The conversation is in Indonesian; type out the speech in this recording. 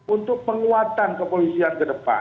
untuk penguatan kepolisian